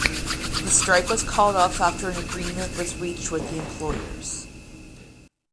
The strike was called off after an agreement was reached with the employers.